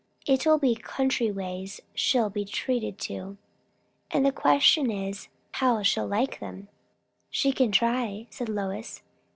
It'll be country ways she'll be treated to; and the question is, how she'll like 'em?" "She can try," said Lois.